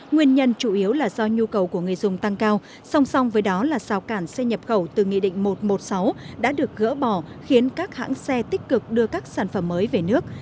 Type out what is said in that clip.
nguyên nhân chủ yếu là do nhu cầu của người dùng tăng cao song song với đó là sao cản xe nhập khẩu từ nghị định một trăm một mươi sáu đã được gỡ bỏ khiến các hãng xe tích cực đưa các sản phẩm mới về nước